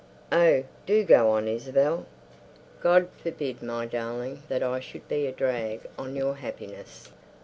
"Oh, do go on, Isabel!" _God forbid, my darling, that I should be a drag on your happiness.